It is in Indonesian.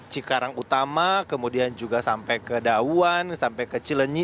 cikarang utama kemudian juga sampai ke dawan sampai ke cilenyi